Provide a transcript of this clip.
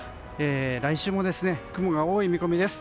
来週も雲が多い見込みです。